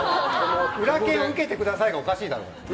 裏拳を受けてくださいがおかしいだろ。